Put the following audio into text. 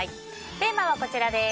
テーマはこちらです。